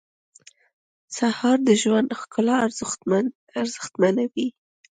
سهار د ژوند ښکلا ارزښتمنوي.